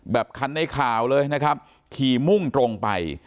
แบบคันในข่าวเลยนะครับขี่มุ่งตรงไป